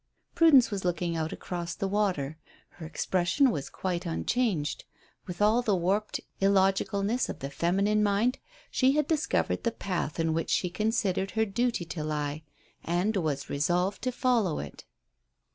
Prudence was looking out across the water. Her expression was quite unchanged. With all the warped illogicalness of the feminine mind she had discovered the path in which she considered her duty to lie, and was resolved to follow it.